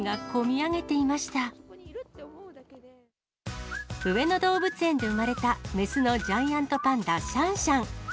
上野動物園で生まれた雌のジャイアントパンダ、シャンシャン。